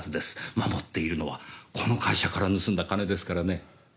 守っているのはこの会社から盗んだ金ですからね。